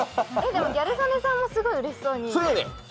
でもギャル曽根さんもすごいうれしそうに。